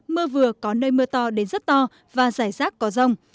mưa vừa có nơi mưa to đến rất to và rải rác có rông